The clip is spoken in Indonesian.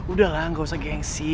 udah lah gak usah gengsi